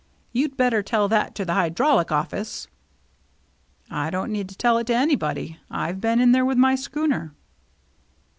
"You'd better tell that to the Hydrographic Office." " I don't need to tell it to anybody. I've been in there with my schooner."